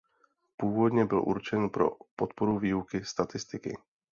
Původně byl určen pro podporu výuky statistiky.